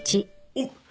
おっ。